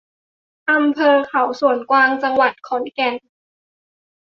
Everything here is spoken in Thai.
อำเภอเขาสวนกวาง จังหวัดขอนแก่น